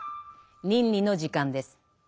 倫理の時間です。